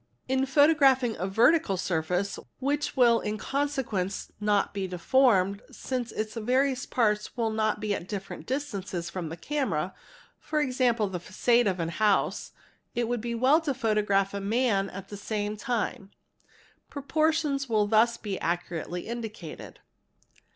In photographing a vertical surface which will in consequence not be deformed, since its various parts will not be at different distances from the camera, e.g., the facade of a house, it would be well to photograph a man at the same time; proportions will thus be accurately indicated.